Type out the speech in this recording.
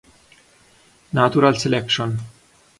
Natural Selection